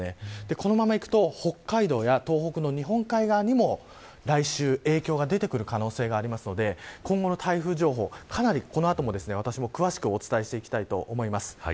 このままいくと北海道や東北の日本海側にも来週、影響が出てくる可能性がありますので今後の台風情報かなりこの後、詳しくお伝えしていきたいと思います。